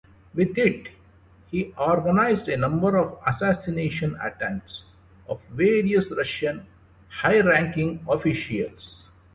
With it, he organized a number of assassination attempts of various Russian high-ranking officials.